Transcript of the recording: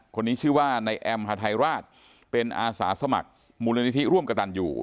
คนนี้ชื่อว่านายแอมฮาไทราชเป็นอาสาสมัครมูลนิธิร่วมกระตันอยู่